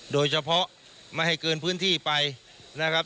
โดยเฉพาะไม่ให้เกินพื้นที่ไปนะครับ